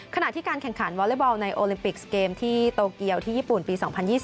ขณะที่การแข่งขันวอเล็กบอลในโอลิมปิกส์เกมที่โตเกียวที่ญี่ปุ่นปี๒๐๒๐